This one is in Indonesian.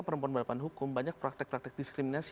perempuan berhadapan hukum banyak praktek praktek diskriminasi